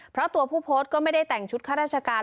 เพราะตัวผู้โพสต์ก็ไม่ได้แต่งชุดข้าราชการ